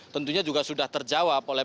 tentunya juga sudah terjawab oleh